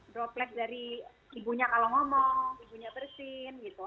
droplet dari ibunya kalau ngomong ibunya bersin gitu